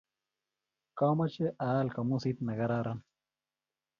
kamoche aal kamusit nekararan.